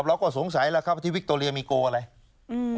เราก็สงสัยแล้วครับที่วิคโตเรียมีโกอะไร